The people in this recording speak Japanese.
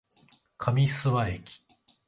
上諏訪駅